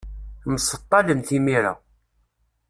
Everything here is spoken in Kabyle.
Mseṭṭalen timira.